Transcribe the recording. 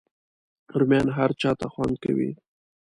رومیان هر چاته خوند کوي